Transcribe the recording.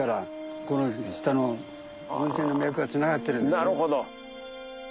なるほど。